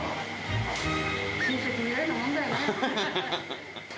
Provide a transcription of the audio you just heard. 親戚みたいなもんだよな。